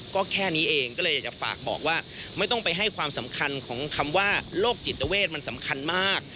ก็แค่นี้เองก็เลยอยากจะฝากบอกว่าไม่ต้องไปให้ความสำคัญของคำว่าโรคจิตเวทมันสำคัญมาก